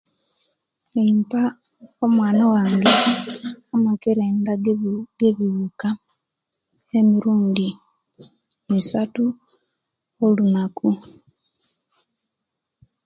Mpaa omwaana wange amakerendda age'biwuuka emirundi missatu olunaku.